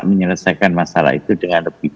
menyelesaikan masalah itu dengan lebih